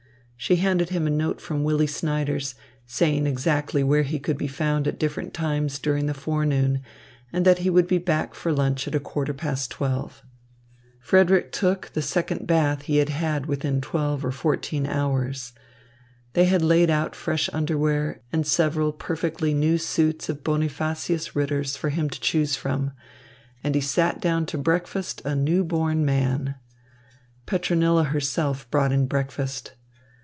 She handed him a note from Willy Snyders, saying exactly where he could be found at different times during the forenoon and that he would be back for lunch at quarter past twelve. Frederick took the second bath he had had within twelve or fourteen hours. They had laid out fresh underwear and several perfectly new suits of Bonifacius Ritter's for him to choose from; and he sat down to breakfast a "newborn" man. Petronilla herself brought in breakfast.